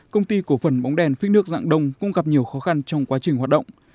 công ty cổ phần bóng đèn phích nước dạng đông cũng gặp nhiều khó khăn trong quá trình hoạt động